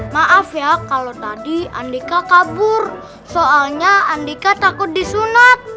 maaf ya kalau tadi andika kabur soalnya andika takut disunat